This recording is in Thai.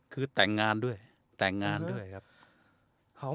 คือแต่งงานด้วยแต่งงานด้วยครับ